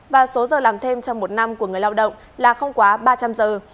và số giờ làm thêm trong một năm của người lao động là không quá ba trăm linh giờ